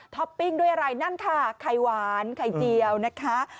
ปปิ้งด้วยอะไรนั่นค่ะไข่หวานไข่เจียวนะคะ